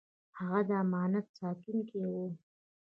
هغه د امنیت ساتونکی و.